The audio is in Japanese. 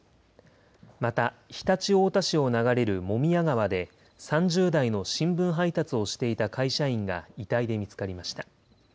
また、常陸太田市を流れる茂宮川で３０代の新聞配達をしていた会社員が遺体で見つかりました。